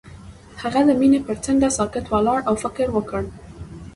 هغه د مینه پر څنډه ساکت ولاړ او فکر وکړ.